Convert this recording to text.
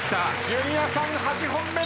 ジュニアさん８本目。